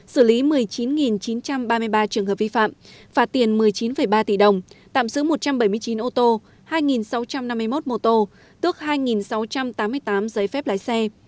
xử lý một mươi chín chín trăm ba mươi ba trường hợp vi phạm phạt tiền một mươi chín ba tỷ đồng tạm giữ một trăm bảy mươi chín ô tô hai sáu trăm năm mươi một mô tô tước hai sáu trăm tám mươi tám giấy phép lái xe